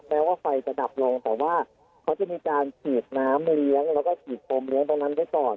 แม้ว่าไฟจะดับลงแต่ว่าเขาจะมีการฉีดน้ำมาเลี้ยงแล้วก็ฉีดโฟมเลี้ยตรงนั้นไว้ก่อน